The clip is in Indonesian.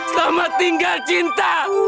selamat tinggal cinta